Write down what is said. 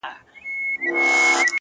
• نن والله پاك ته لاسونه نيسم ـ